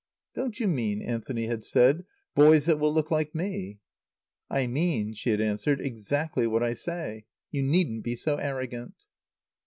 "Don't you mean," Anthony had said, "boys that will look like me?" "I mean," she had answered, "exactly what I say. You needn't be so arrogant."